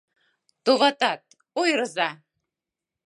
Товатат, ойырыза!